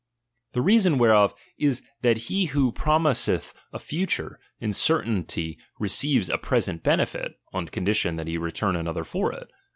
The reason whereof is, that he who promiseth a future, in certainty receives a present benefit, on condition that he return another for it.